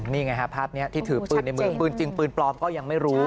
นี่ไงฮะภาพนี้ที่ถือปืนในมือปืนจริงปืนปลอมก็ยังไม่รู้